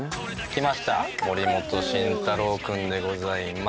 きました森本慎太郎君でございます。